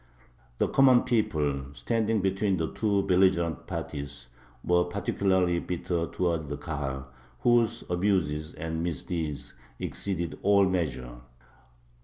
The common people, standing between the two belligerent parties, were particularly bitter towards the Kahal, whose abuses and misdeeds exceeded all measure.